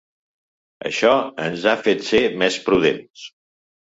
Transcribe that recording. Això ens ha fet ser més prudents.